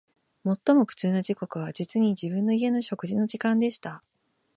最も苦痛な時刻は、実に、自分の家の食事の時間でした